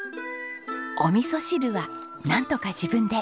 お味噌汁はなんとか自分で。